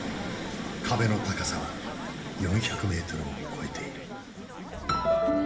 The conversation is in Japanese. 壁の高さは４００ｍを超えている。